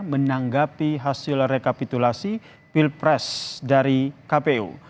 menanggapi hasil rekapitulasi pilpres dari kpu